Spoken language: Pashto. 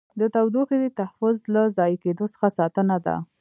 د تودوخې تحفظ له ضایع کېدو څخه ساتنه ده.